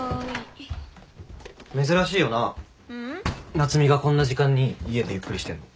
夏海がこんな時間に家でゆっくりしてんの。